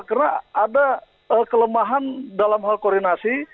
karena ada kelemahan dalam hal koordinasi